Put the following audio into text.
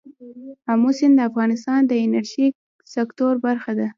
آمو سیند د افغانستان د انرژۍ سکتور برخه ده.